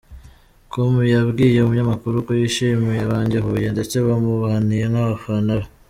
com yabwiye umunyamakuru ko yishimiye abanye-Huye ndetse bamubaniye nk'abafana be.